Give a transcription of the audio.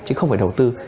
chứ không phải đầu tư